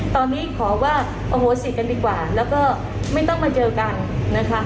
ตอนนี้ขอว่าอโหสิกันดีกว่าแล้วก็ไม่ต้องมาเจอกันนะคะ